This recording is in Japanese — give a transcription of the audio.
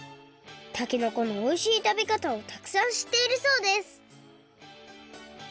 たけのこのおいしいたべかたをたくさんしっているそうです